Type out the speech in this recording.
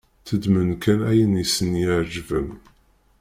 Tteddmen kan ayen i sen-iεeǧben.